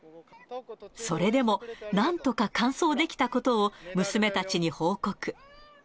それでも、なんとか完走できたことを、娘たちに報告。